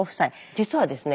実はですね